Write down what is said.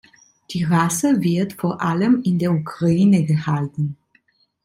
Die Rasse wird vor allem in der Ukraine gehalten.